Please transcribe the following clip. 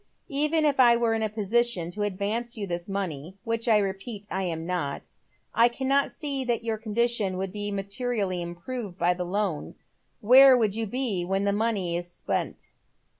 •' Even if I were in a position to advance you this money — which I repeat lam not — I cannot see that your condition would be materially improved by the loan. Where would you be when the money was spent